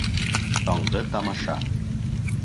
Таңғы тамаша